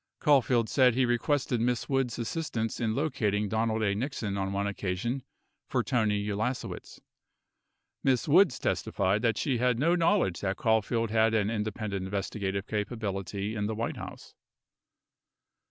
Caulfield said he requested Miss Woods' assistance in locating Donald A. Nixon on one occasion for Tony Ulasewicz. 38 Miss Woods testified that she had no knowledge that Caulfield had an independent investigative capability in the White House.